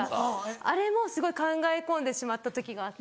あれもすごい考え込んでしまった時があって。